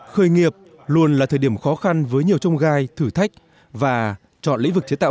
khởi nghiệp luôn là thời điểm khó khăn với nhiều trông gai thử thách và chọn lĩnh vực chế tạo